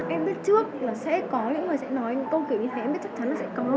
em biết trước là sẽ có những người sẽ nói câu kiểu như thế em biết chắc chắn là sẽ có